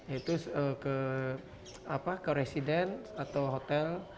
yaitu ke resident atau hotel